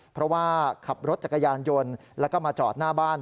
เพราะว่าขับรถจักรยานยนต์แล้วก็มาจอดหน้าบ้าน